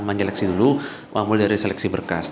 menjeleksi dulu mulai dari seleksi berkas